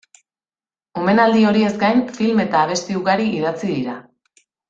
Omenaldi horiez gain, film eta abesti ugari idatzi dira.